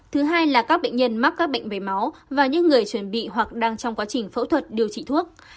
thứ hai là các bệnh nhân mắc các bệnh về máu và những người chuẩn bị hoặc đang trong quá trình phẫu thuật điều trị thuốc